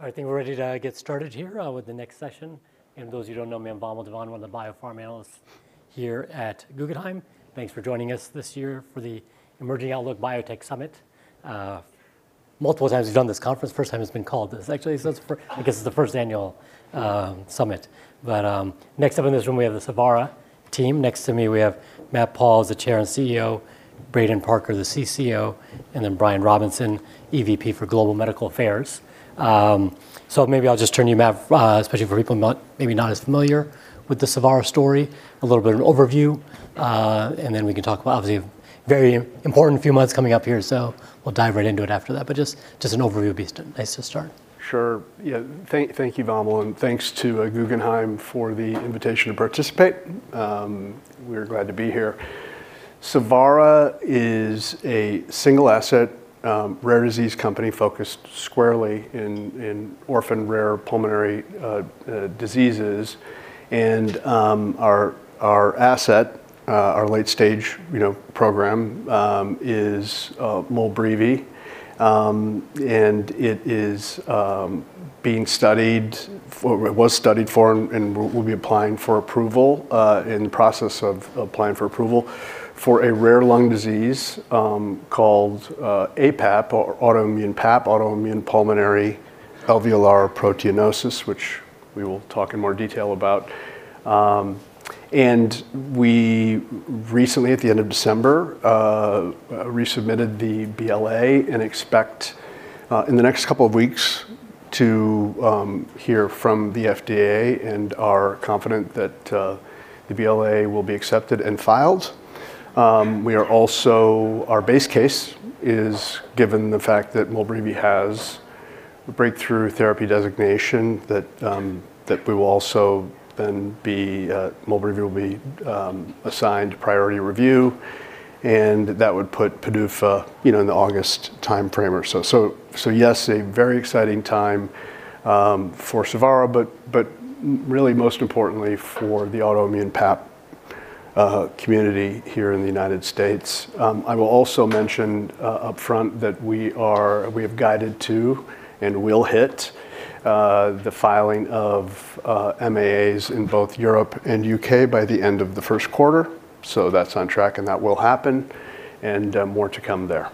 I think we're ready to get started here with the next session. For those who don't know, I am Vamil Divan, one of the Biopharma Analysts here at Guggenheim, thanks for joining us this year for the Emerging Outlook Biotech Summit. Multiple times we've done this conference. First time it's been called this, actually. I guess it's the first annual summit. Next up in this room, we have the Savara team. Next to me, we have Matt Pauls, the Chair and CEO, Braden Parker, the CCO, and then Brian Robinson, EVP for Global Medical Affairs. Maybe I'll just turn to you, Matt, especially for people maybe not as familiar with the Savara story, a little bit of an overview. Then we can talk about, obviously, a very important few months coming up here. We'll dive right into it after that. Just an overview would be nice to start. Sure. Yeah, thank you, Vamil and thanks to Guggenheim for the invitation to participate. We're glad to be here. Savara is a single asset, rare disease company focused squarely on orphan rare pulmonary diseases. Our asset, our late-stage program, is MOLBREEVI. It is being studied for, was studied for, and will be applying for approval—in the process of applying for approval—for a rare lung disease called aPAP, or autoimmune PAP, autoimmune pulmonary alveolar proteinosis, which we will talk in more detail about. We recently, at the end of December, resubmitted the BLA and expect, in the next couple of weeks, to hear from the FDA. We are confident that the BLA will be accepted and filed. We are also. Our base case is, given the fact that MOLBREEVI has a Breakthrough Therapy Designation, that we will also then be. MOLBREEVI will be assigned priority review and that would put PDUFA in the August timeframe. So yes, a very exciting time for Savara, but really, most importantly, for the autoimmune PAP community here in the United States. I will also mention up front that we have guided to and will hit the filing of MAAs in both Europe and UK by the end of the first quarter. So that's on track, and that will happen and more to come there.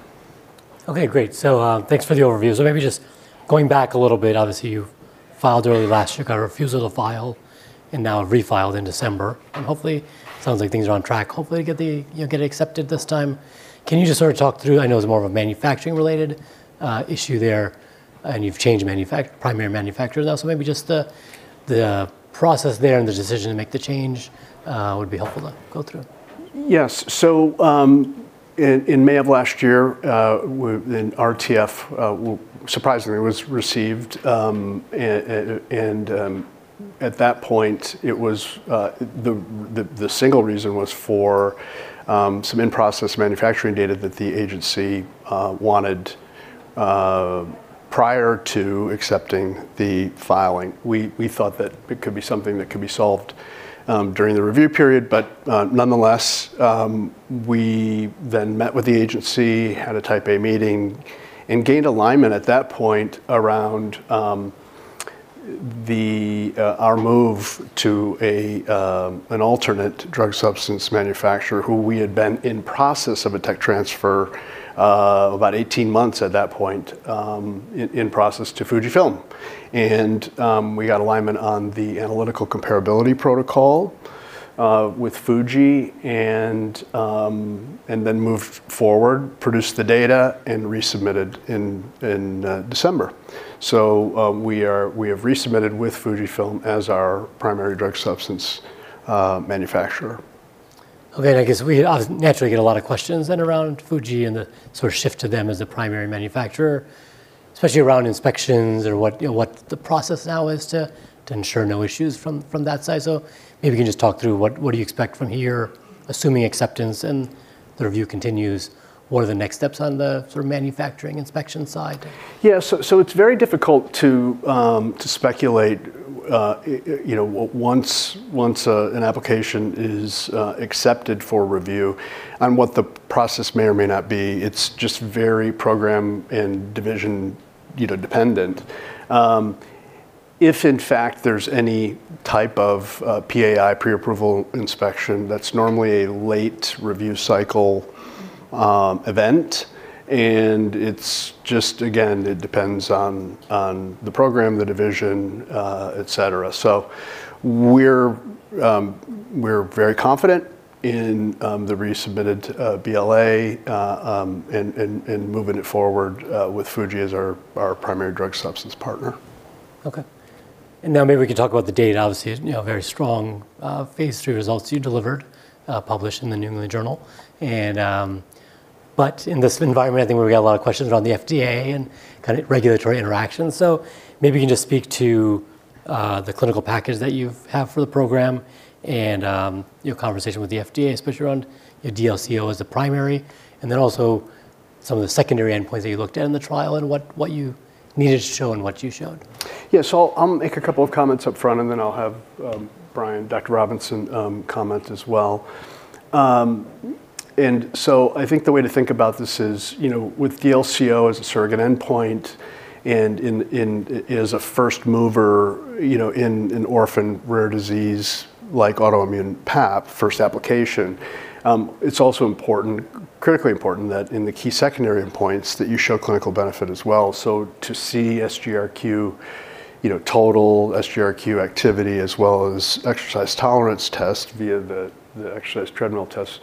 OK, great. So thanks for the overview. So maybe just going back a little bit, obviously, you filed early last year, got a refusal to file, and now have refiled in December and hopefully, it sounds like things are on track, hopefully, to get it accepted this time. Can you just sort of talk through? I know it's more of a manufacturing-related issue there, and you've changed primary manufacturers now. So maybe just the process there and the decision to make the change would be helpful to go through. Yes. So in May of last year, an RTF surprisingly was received and at that point, it was the single reason for some in-process manufacturing data that the agency wanted prior to accepting the filing. We thought that it could be something that could be solved during the review period. But nonetheless, we then met with the agency, had a Type A meeting, and gained alignment at that point around our move to an alternate drug substance manufacturer, who we had been in process of a tech transfer about 18 months at that point, in process to Fujifilm and we got alignment on the analytical comparability protocol with Fuji, and then moved forward, produced the data, and resubmitted in December. So we have resubmitted with Fujifilm as our primary drug substance manufacturer. OK, and I guess we naturally get a lot of questions then around Fujifilm and the sort of shift to them as the primary manufacturer, especially around inspections or what the process now is to ensure no issues from that side. So maybe you can just talk through what do you expect from here, assuming acceptance and the review continues. What are the next steps on the sort of manufacturing inspection side? Yeah, so it's very difficult to speculate once an application is accepted for review on what the process may or may not be. It's just very program and division dependent. If, in fact, there's any type of PAI, pre-approval inspection, that's normally a late review cycle event and it's just, again, it depends on the program, the division, et cetera. So we're very confident in the resubmitted BLA and moving it forward with Fujifilm as our primary drug substance partner. Ok and now maybe we could talk about the data. Obviously, very strong phase III results you delivered, published in the New England Journal. But in this environment, I think we've got a lot of questions around the FDA and kind of regulatory interactions. So maybe you can just speak to the clinical package that you have for the program and your conversation with the FDA, especially around DLco as the primary, and then also some of the secondary endpoints that you looked at in the trial and what you needed to show and what you showed. Yeah, so I'll make a couple of comments up front, and then I'll have Brian, Dr. Robinson, comment as well and so I think the way to think about this is with DLco as a surrogate endpoint and as a first mover in orphan rare disease like autoimmune PAP, first application, it's also important, critically important, that in the key secondary endpoints, that you show clinical benefit as well. So to see SGRQ, total SGRQ activity, as well as exercise tolerance tests via the exercise treadmill tests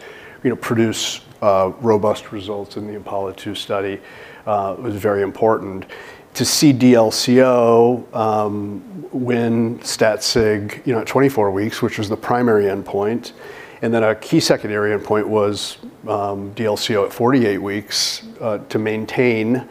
produce robust results in the IMPALA-2 study was very important. To see DLco when stat sig at 24 weeks, which was the primary endpoint and then a key secondary endpoint was DLco at 48 weeks to maintain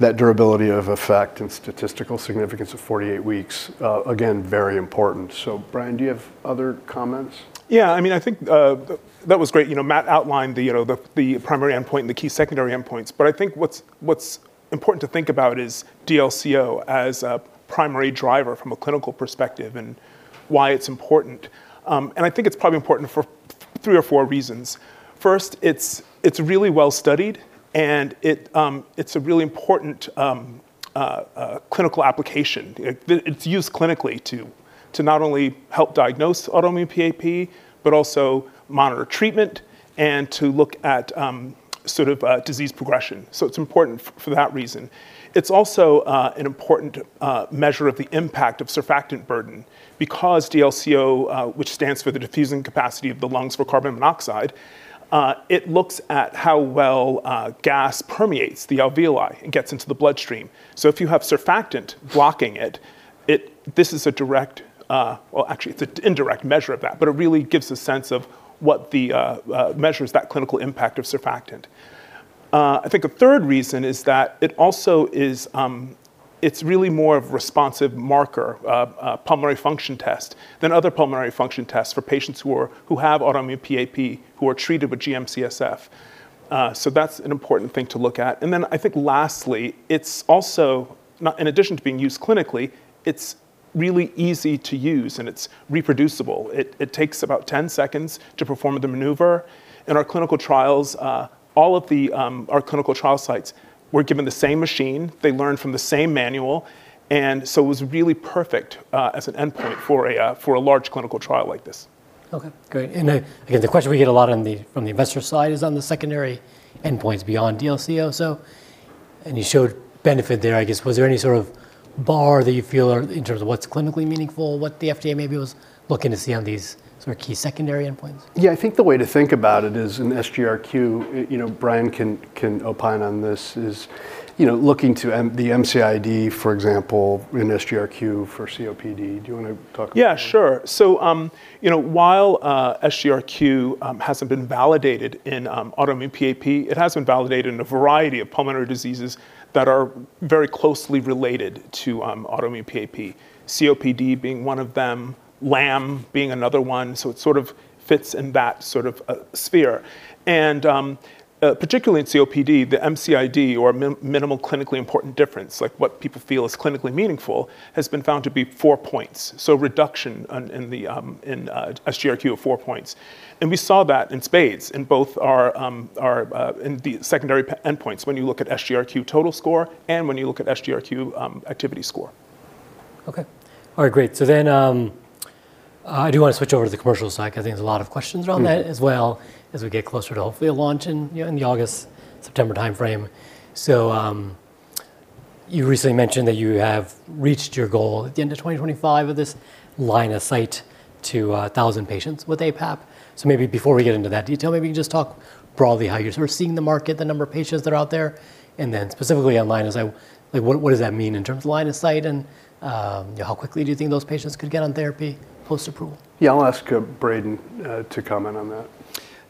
that durability of effect and statistical significance of 48 weeks, again, very important. So Brian, do you have other comments? Yeah, I mean, I think that was great. Matt outlined the primary endpoint and the key secondary endpoints. But I think what's important to think about is DLco as a primary driver from a clinical perspective and why it's important and I think it's probably important for three or four reasons. First, it's really well studied, and it's a really important clinical application. It's used clinically to not only help diagnose autoimmune PAP, but also monitor treatment and to look at sort of disease progression. So it's important for that reason. It's also an important measure of the impact of surfactant burden. Because DLco, which stands for the diffusing capacity of the lungs for carbon monoxide, it looks at how well gas permeates the alveoli and gets into the bloodstream. So if you have surfactant blocking it, this is a direct well, actually, it's an indirect measure of that. But it really gives a sense of what measures that clinical impact of surfactant. I think a third reason is that it also it's really more of a responsive marker, a pulmonary function test, than other pulmonary function tests for patients who have autoimmune PAP, who are treated with GM-CSF. So that's an important thing to look at and then I think lastly, it's also in addition to being used clinically, it's really easy to use, and it's reproducible. It takes about 10 seconds to perform the maneuver. In our clinical trials, all of our clinical trial sites were given the same machine. They learned from the same manual and so it was really perfect as an endpoint for a large clinical trial like this. OK, great and again, the question we get a lot from the investor side is on the secondary endpoints beyond DLco and you showed benefit there. I guess, was there any sort of bar that you feel in terms of what's clinically meaningful, what the FDA maybe was looking to see on these sort of key secondary endpoints? Yeah, I think the way to think about it is an SGRQ. Brian can opine on this is looking to the MCID, for example, in SGRQ for COPD. Do you want to talk about that? Yeah, sure. So while SGRQ hasn't been validated in autoimmune PAP, it has been validated in a variety of pulmonary diseases that are very closely related to autoimmune PAP, COPD being one of them, LAM being another one. So it sort of fits in that sort of sphere and particularly in COPD, the MCID, or minimal clinically important difference, like what people feel is clinically meaningful, has been found to be four points, so reduction in SGRQ of four points and we saw that in SPADES in both our secondary endpoints, when you look at SGRQ total score and when you look at SGRQ activity score. OK, all right, great. So then I do want to switch over to the commercial side. I think there's a lot of questions around that as well as we get closer to, hopefully, a launch in the August, September time frame. So you recently mentioned that you have reached your goal at the end of 2025 of this line of sight to 1,000 patients with aPAP. So maybe before we get into that detail, maybe you can just talk broadly how you're sort of seeing the market, the number of patients that are out there and then specifically on line of sight, what does that mean in terms of line of sight? And how quickly do you think those patients could get on therapy post-approval? Yeah, I'll ask Braden to comment on that.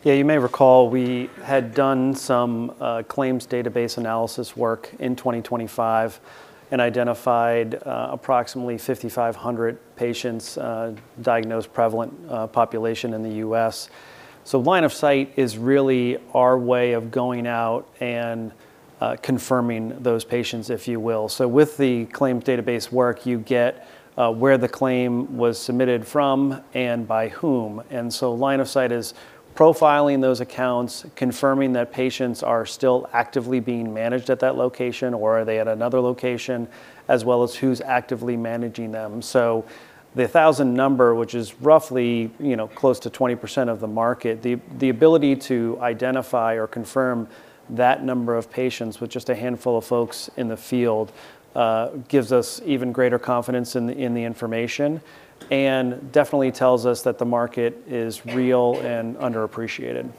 Yeah, you may recall we had done some claims database analysis work in 2025 and identified approximately 5,500 patients, diagnosed prevalent population in the U.S. So line of sight is really our way of going out and confirming those patients, if you will. So with the claims database work, you get where the claim was submitted from and by whom and so line of sight is profiling those accounts, confirming that patients are still actively being managed at that location, or are they at another location, as well as who's actively managing them. So the 1,000 number, which is roughly close to 20% of the market, the ability to identify or confirm that number of patients with just a handful of folks in the field gives us even greater confidence in the information and definitely tells us that the market is real and underappreciated.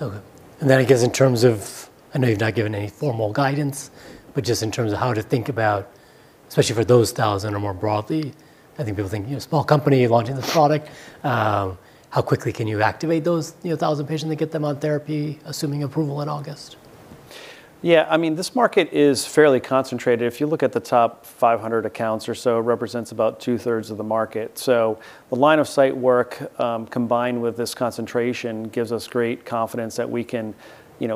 ok and then I guess in terms of I know you've not given any formal guidance, but just in terms of how to think about, especially for those 1,000 or more broadly, I think people think small company launching this product, how quickly can you activate those 1,000 patients and get them on therapy, assuming approval in August? Yeah, I mean, this market is fairly concentrated. If you look at the top 500 accounts or so, it represents about 2/3 of the market. So the line of sight work combined with this concentration gives us great confidence that we can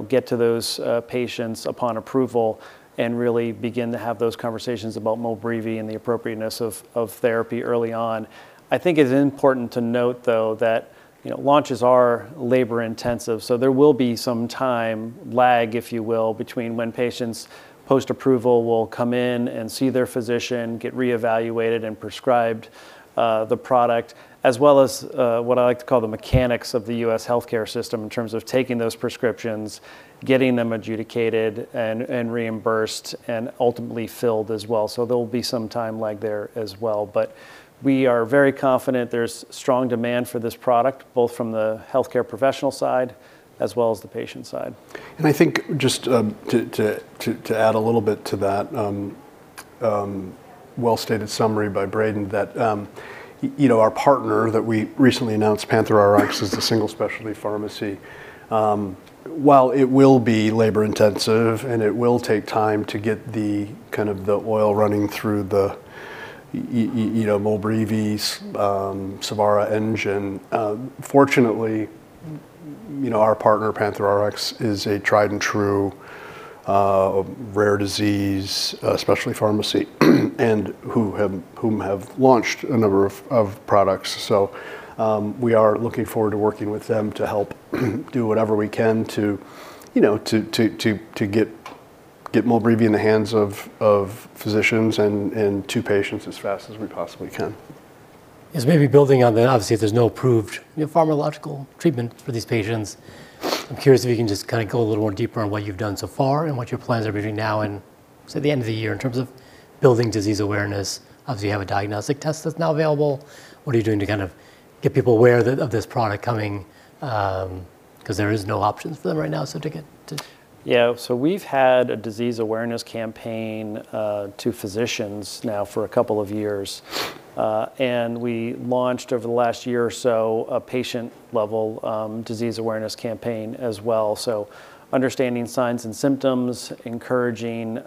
get to those patients upon approval and really begin to have those conversations about MOLBREEVI and the appropriateness of therapy early on. I think it's important to note, though, that launches are labor intensive. So there will be some time lag, if you will, between when patients post-approval will come in and see their physician, get reevaluated, and prescribed the product, as well as what I like to call the mechanics of the U.S. health care system in terms of taking those prescriptions, getting them adjudicated, and reimbursed, and ultimately filled as well. So there will be some time lag there as well. But we are very confident there's strong demand for this product, both from the health care professional side as well as the patient side. I think just to add a little bit to that well-stated summary by Braden that our partner that we recently announced, PANTHERx, is the single specialty pharmacy. While it will be labor intensive and it will take time to get kind of the oil running through the MOLBREEVI's Savara engine, fortunately, our partner, PANTHERx, is a tried and true rare disease specialty pharmacy and whom have launched a number of products. So we are looking forward to working with them to help do whatever we can to get MOLBREEVI in the hands of physicians and to patients as fast as we possibly can. Yes, maybe building on that, obviously, if there's no approved pharmacological treatment for these patients, I'm curious if you can just kind of go a little more deeper on what you've done so far and what your plans are between now and, say, the end of the year in terms of building disease awareness. Obviously, you have a diagnostic test that's now available. What are you doing to kind of get people aware of this product coming? Because there is no options for them right now. Yeah, so we've had a disease awareness campaign to physicians now for a couple of years and we launched over the last year or so a patient-level disease awareness campaign as well, so understanding signs and symptoms, encouraging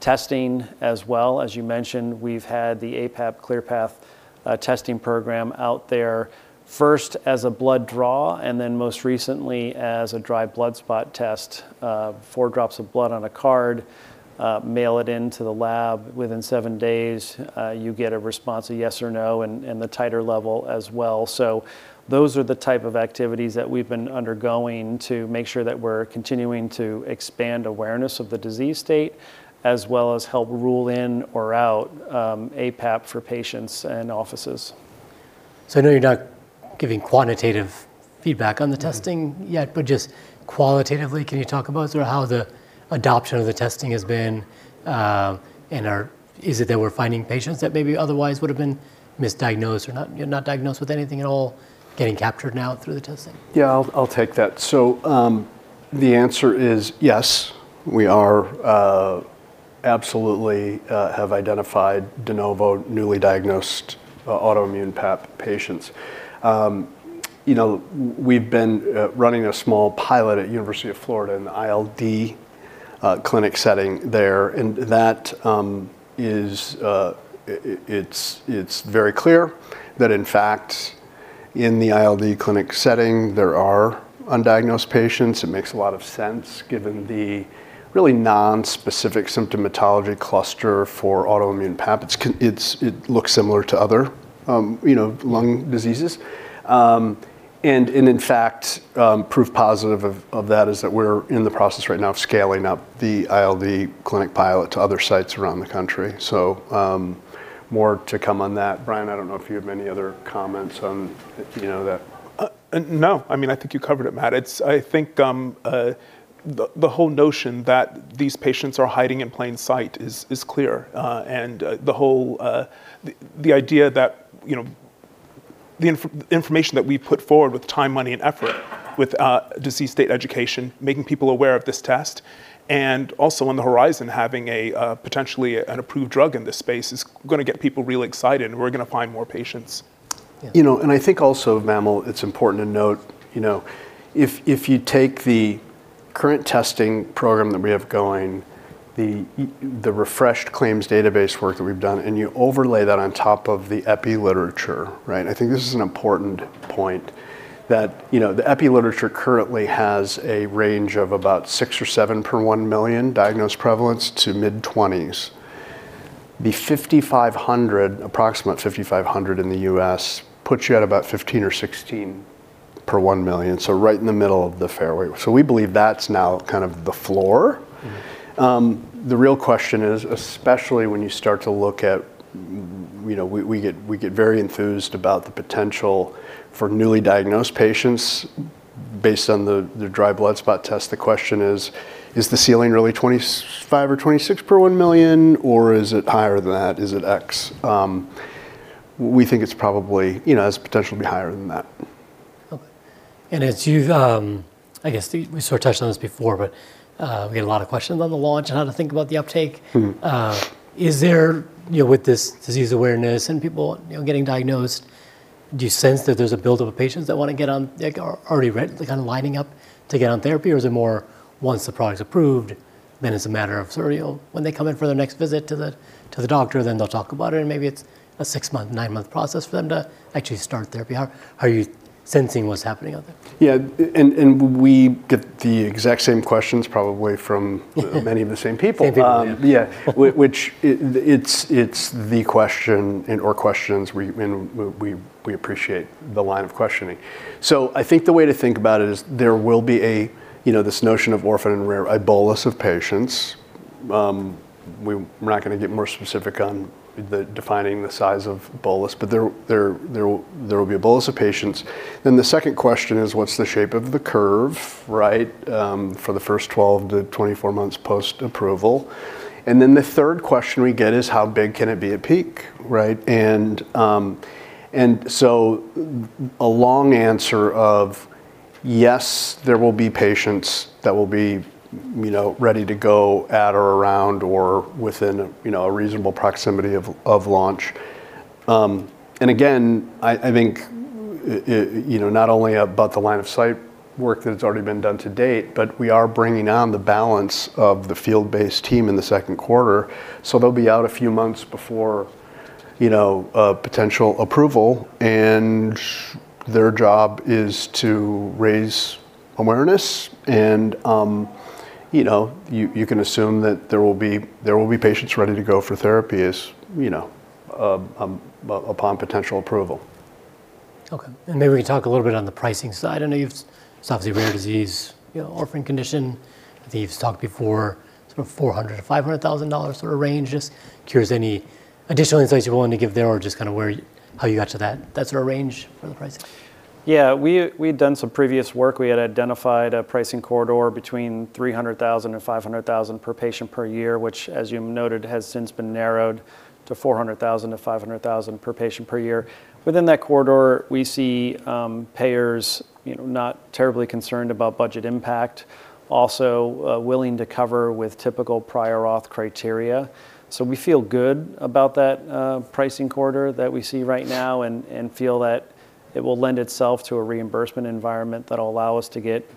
testing as well. As you mentioned, we've had the aPAP ClearPath testing program out there, first as a blood draw and then most recently as a dry blood spot test, four drops of blood on a card, mail it into the lab. Within seven days, you get a response, a yes or no, and the titer level as well. So those are the type of activities that we've been undergoing to make sure that we're continuing to expand awareness of the disease state as well as help rule in or out aPAP for patients and offices. So I know you're not giving quantitative feedback on the testing yet, but just qualitatively, can you talk about sort of how the adoption of the testing has been? And is it that we're finding patients that maybe otherwise would have been misdiagnosed or not diagnosed with anything at all getting captured now through the testing? Yeah, I'll take that. So the answer is yes, we absolutely have identified de novo newly diagnosed autoimmune PAP patients. We've been running a small pilot at the University of Florida in the ILD clinic setting there and it's very clear that, in fact, in the ILD clinic setting, there are undiagnosed patients. It makes a lot of sense given the really nonspecific symptomatology cluster for autoimmune PAP. It looks similar to other lung diseases and in fact, proof positive of that is that we're in the process right now of scaling up the ILD clinic pilot to other sites around the country. So more to come on that. Brian, I don't know if you have any other comments on that. No, I mean, I think you covered it, Matt. I think the whole notion that these patients are hiding in plain sight is clear and the idea that the information that we put forward with time, money, and effort with disease state education, making people aware of this test, and also on the horizon having potentially an approved drug in this space is going to get people really excited and we're going to find more patients. I think also, Vamil, it's important to note if you take the current testing program that we have going, the refreshed claims database work that we've done, and you overlay that on top of the EPI literature, I think this is an important point, that the EPI literature currently has a range of about six or seven per 1 million diagnosed prevalence to mid-20s. The approximate 5,500 in the U.S. puts you at about 15 or 16 per 1 million. So right in the middle of the fairway. So we believe that's now kind of the floor. The real question is, especially when you start to look at we get very enthused about the potential for newly diagnosed patients based on the dry blood spot test. The question is, is the ceiling really 25 or 26 per 1 million, or is it higher than that? Is it x? We think it probably has potential to be higher than that. Ok and as you've, I guess, we sort of touched on this before, but we get a lot of questions on the launch and how to think about the uptake. Is there, with this disease awareness and people getting diagnosed, do you sense that there's a buildup of patients that want to get on already, kind of lining up to get on therapy? Or is it more once the product's approved, then it's a matter of sort of when they come in for their next visit to the doctor, then they'll talk about it? And maybe it's a six-month, nine-month process for them to actually start therapy. How are you sensing what's happening out there? Yeah, and we get the exact same questions probably from many of the same people. Yeah, which it's the question or questions and we appreciate the line of questioning. So I think the way to think about it is there will be this notion of orphan and rare, a bolus of patients. We're not going to get more specific on defining the size of bolus. But there will be a bolus of patients. Then the second question is, what's the shape of the curve for the first 12-24 months post-approval? And then the third question we get is, how big can it be at peak? And so a long answer of yes, there will be patients that will be ready to go at or around or within a reasonable proximity of launch. Again, I think not only about the line of sight work that has already been done to date, but we are bringing on the balance of the field-based team in the second quarter. So they'll be out a few months before potential approval and their job is to raise awareness and you can assume that there will be patients ready to go for therapy upon potential approval. OK, and maybe we can talk a little bit on the pricing side. I know you've it's obviously rare disease, orphan condition. I think you've talked before, sort of $400,000-$500,000 sort of range. Just curious, any additional insights you're willing to give there or just kind of how you got to that sort of range for the pricing? Yeah, we had done some previous work. We had identified a pricing corridor between $300,000 and $500,000 per patient per year, which, as you noted, has since been narrowed to $400,000-$500,000 per patient per year. Within that corridor, we see payers not terribly concerned about budget impact, also willing to cover with typical prior auth criteria. So we feel good about that pricing corridor that we see right now and feel that it will lend itself to a reimbursement environment that will allow us to get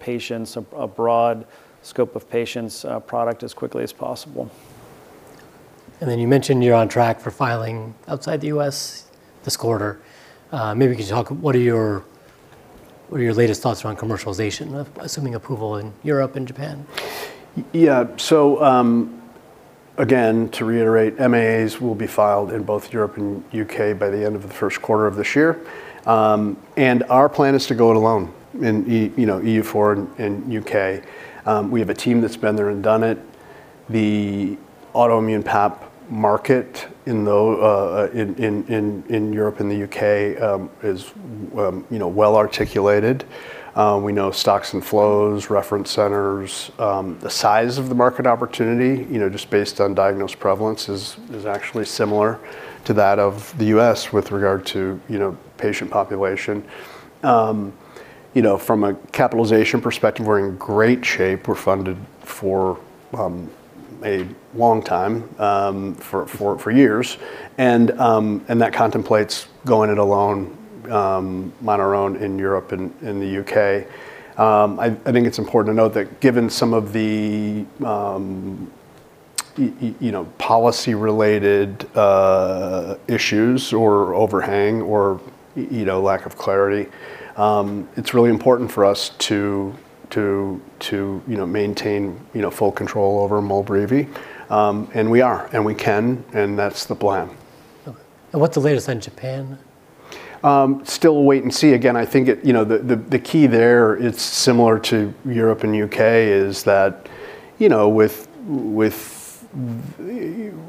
patients, a broad scope of patients, product as quickly as possible. Then you mentioned you're on track for filing outside the U.S. this quarter. Maybe you could talk what are your latest thoughts around commercialization, assuming approval in Europe and Japan? Yeah, so again, to reiterate, MAAs will be filed in both Europe and U.K. by the end of the first quarter of this year and our plan is to go it alone in EU4 and U.K. We have a team that's been there and done it. The autoimmune PAP market in Europe and the U.K. is well articulated. We know stocks and flows, reference centers, the size of the market opportunity, just based on diagnosed prevalence, is actually similar to that of the U.S. with regard to patient population. From a capitalization perspective, we're in great shape. We're funded for a long time, for years and that contemplates going it alone, on our own, in Europe and in the U.K. I think it's important to note that given some of the policy-related issues or overhang or lack of clarity, it's really important for us to maintain full control over molbreevi and we are and we can and that's the plan. OK, what's the latest on Japan? Still a wait and see. Again, I think the key there, it's similar to Europe and U.K., is that with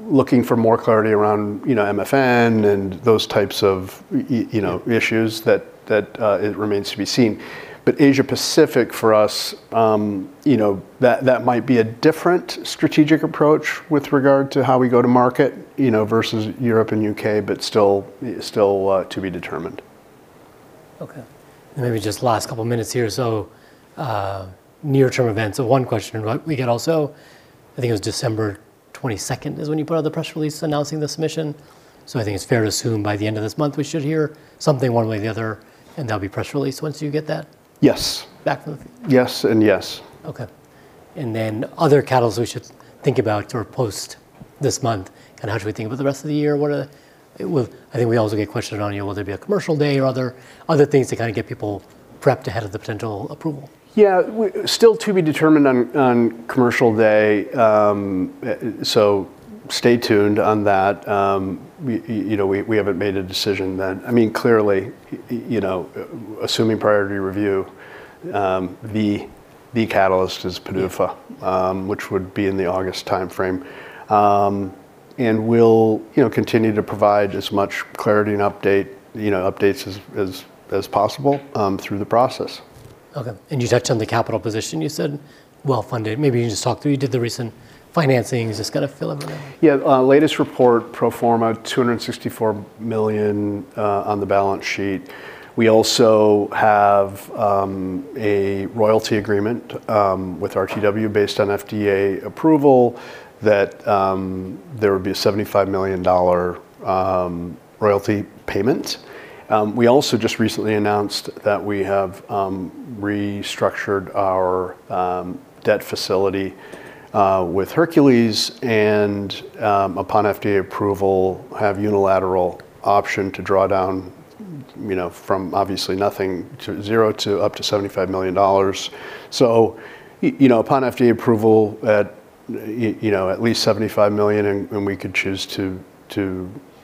looking for more clarity around MFN and those types of issues, that it remains to be seen. But Asia-Pacific for us, that might be a different strategic approach with regard to how we go to market versus Europe and U.K., but still to be determined. OK, and maybe just last couple of minutes here. So, near-term events, so one question we get also, I think it was December 22nd is when you put out the press release announcing the submission. So, I think it's fair to assume by the end of this month, we should hear something one way or the other and that'll be press released once you get that back from the yes and yes. Ok and then other catalysts we should think about sort of post this month, kind of how should we think about the rest of the year? I think we also get questions on, will there be a commercial day or other things to kind of get people prepped ahead of the potential approval? Yeah, still to be determined on commercial day. So stay tuned on that. We haven't made a decision that I mean, clearly, assuming priority review, the catalyst is PDUFA, which would be in the August time frame and we'll continue to provide as much clarity and updates as possible through the process. OK, and you touched on the capital position. You said well funded. Maybe you can just talk through you did the recent financing. Is this kind of fill of a memory? Yeah, latest report pro forma, $264 million on the balance sheet. We also have a royalty agreement with RTW based on FDA approval that there would be a $75 million royalty payment. We also just recently announced that we have restructured our debt facility with Hercules and upon FDA approval, have unilateral option to draw down from obviously nothing to $0 to up to $75 million. So upon FDA approval, at least $75 million and we could choose to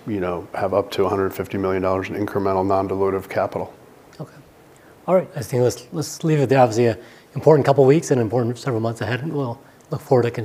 have up to $150 million in incremental non-dilutive capital. OK, all right. I think let's leave it there. Obviously, important couple of weeks and important several months ahead. We'll look forward to.